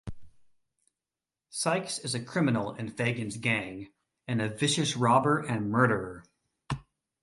Sikes is a criminal in Fagin's gang, and a vicious robber and murderer.